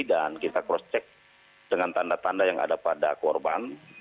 dan kita cross check dengan tanda tanda yang ada pada korban